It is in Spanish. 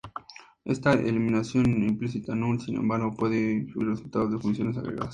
Esta eliminación implícita Null, sin embargo, puede influir en los resultados de funciones agregadas.